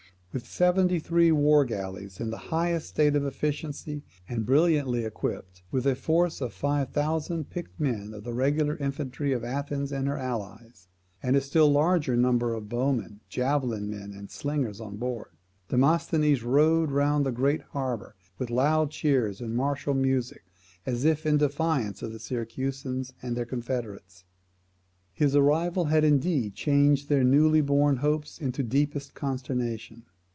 With seventy three war galleys in the highest state of efficiency, and brilliantly equipped, with a force of five thousand picked men of the regular infantry of Athens and her allies, and a still larger number of bowmen, javelin men, and slingers on board, Demosthenes rowed round the great harbour with loud cheers and martial music, as if in defiance of the Syracusans and their confederates. His arrival had indeed changed their newly born hopes into the deepest consternation.